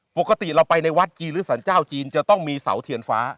ปกติเราไปในวัดจีนหรือสรรเจ้าจีนจะต้องมีเสาเทียนฟ้า